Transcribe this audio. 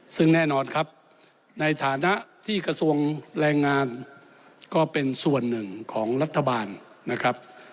ซึ่งแน่นอนครับในฐานะที่กระทรวงแรงงานก็เป็นส่วนหนึ่งของรัฐบาลนะครับ